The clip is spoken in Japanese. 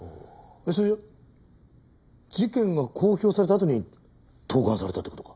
それじゃあ事件が公表されたあとに投函されたって事か？